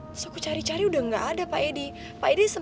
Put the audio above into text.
terus aku cari cari udah gak ada pak edi